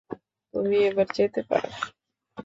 তুমি এবার যেতে পারো।